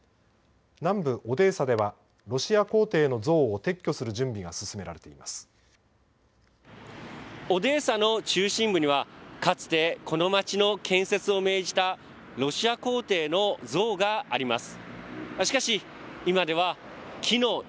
南部オデーサではロシア皇帝の像を撤去する準備がオデーサの中心部には建設を命じたロシア皇帝の像があります。